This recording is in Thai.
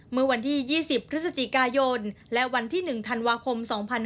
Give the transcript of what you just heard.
เมื่อวันที่๒๐พฤศจิกายนและวันที่๑ธันวาคม๒๕๕๙